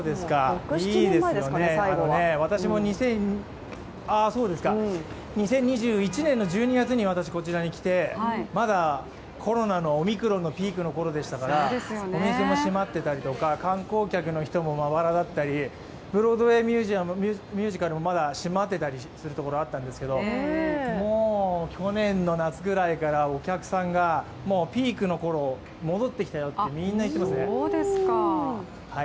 ６７年前ですかね、最後は。私も２０２１年の１２月にこちらへ来てまだコロナのオミクロンのピークのころですからお店も閉まってたりとか観光客の人もまばらだったりブロードウェイミュージカルもまだ閉まったりしてるところもあったんですけどもう去年の夏くらいからお客さんが、ピークの頃が戻ってきたよってみんな言ってますね。